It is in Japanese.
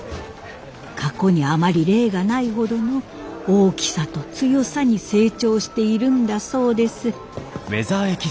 過去にあまり例がないほどの大きさと強さに成長しているんだそうです。